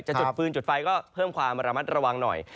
จุดฟืนจุดไฟก็เพิ่มความระมัดระวังหน่อย